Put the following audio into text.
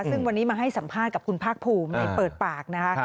ซึ่งวันนี้มาให้สัมภาษณ์กับคุณภาคภูมิในเปิดปากนะคะ